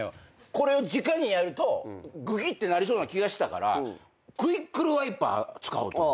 これをじかにやるとグキッてなりそうな気がしたからクイックルワイパー使おうと思って。